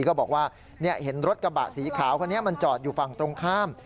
ก็บอกว่าเห็นรถกระบะสีขาวคนนี้มันจอดอยู่ฝั่งตรงข้าม